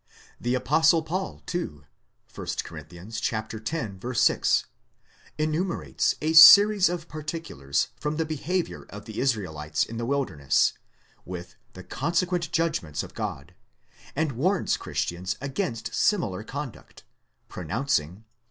The apostle Paul too, 1 Cor. x. 6, enumerates a series of particulars from the behaviour of the Israelites in the wilderness, with the consequent judgments of God, and warns Christians against similar conduct, pronouncing, v.